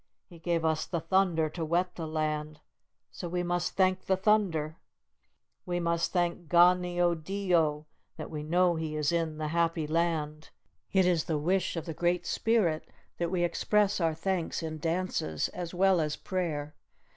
He gave us the thunder to wet the land, so we must thank the thunder. We must thank Ga ne o di o that we know he is in the happy land. It is the wish of the Great Spirit that we express our thanks in dances as well as prayer.